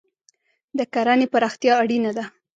د کرهنې پراختیا اړینه ده.